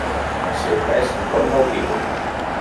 El seu pes ronda el quilo.